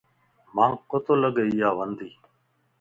مانک ڪو تو لڳ اياوندي